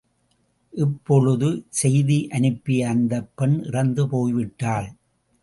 இப்பொழுது செய்தியனுப்பிய அந்தப் பெண் இறந்து போய்விட்டாள்.